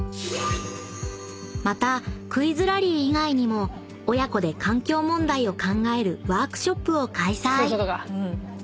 ［またクイズラリー以外にも親子で環境問題を考えるワークショップを開催］